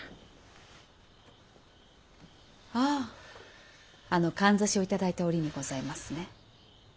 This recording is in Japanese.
あぁあのかんざしを頂いた折にございますね。